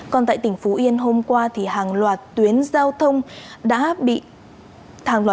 còn tại tỉnh phú yên hôm qua hàng loạt tuyến giao thông tại thành phố quảng ngãi đã bị ngập sâu do mưa lớn